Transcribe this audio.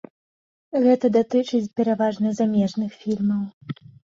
Гэта датычыць пераважна замежных фільмаў.